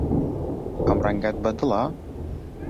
ئەم ڕەنگەت بەدڵە؟